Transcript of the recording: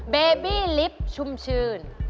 เบบี้ลิฟต์ชุ่มชื่น